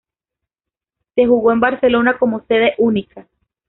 Se jugó en Barcelona como sede única.